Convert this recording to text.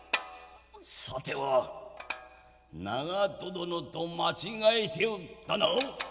さては長門殿と間違えておったな。